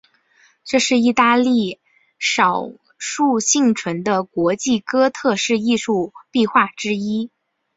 这是意大利少数幸存的国际哥特式艺术壁画之一。